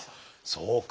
そうか。